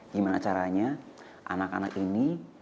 gimana caranya anak anak ini